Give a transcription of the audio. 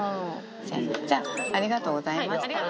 じゃあ、ありがとうございました。